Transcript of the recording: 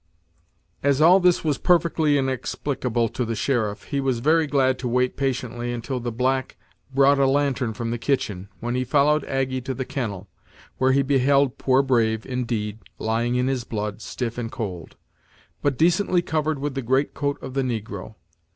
As all this was perfectly inexplicable to the sheriff, he was very glad to wait patiently until the black brought a lantern from the kitchen, when he followed Aggy to the kennel, where he beheld poor Brave, indeed, lying in his blood, stiff and cold, but decently covered with the great coat of the negro.